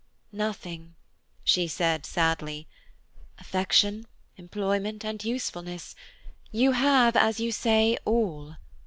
"Nothing," she said sadly. "Affection, employment, and usefulness–you have, as you say, all.